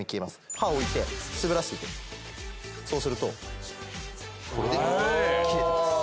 刃を置いて滑らしていくそうするとこれで切れてます